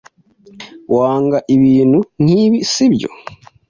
Wanga ibintu nkibi, sibyo?